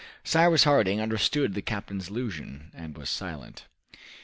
Cyrus Harding understood the captain's allusion, and was silent.